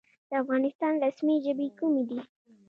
د افغانستان رسمي ژبې کومې دي؟